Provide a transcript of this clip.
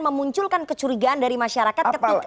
memunculkan kecurigaan dari masyarakat